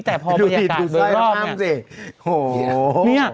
แต่พอบรรยากาศเบอร์รอบเนี่ยดูทิศดูซ้ายห้ามสิ